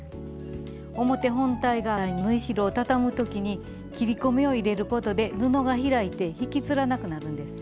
表本体側に縫い代をたたむ時に切り込みを入れることで布が開いて引きつらなくなるんです。